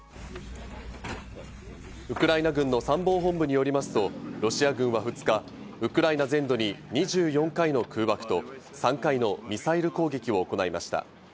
ウクライナ軍の参謀本部によりますと、ロシア軍は２日、ウクライナ全土に２４回の空爆と３回のミサイル攻撃を行いました。